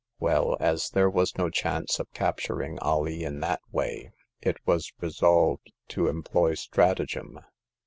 *' Well, as there was no chance of capturing Alee in that way, it was resolved to employ stratagem.